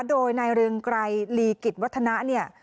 โดยนายเรืองไกรลีกิจวัฒนะเนี่ย